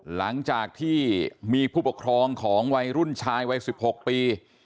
หลังจากที่มีผู้ปกครองของวัยรุ่นชายวัย๑๖ปี